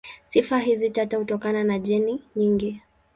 Sifa hizi tata hutokana na jeni nyingi.